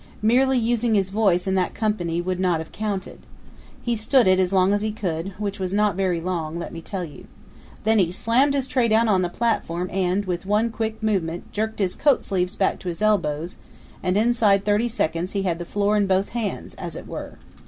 Merely using his voice in that company would not have counted. He stood it as long as he could, which was not very long, let me tell you. Then he slammed his tray down on the platform and, with one quick movement, jerked his coat sleeves back to his elbows, and inside thirty seconds he had the floor in both hands, as it were.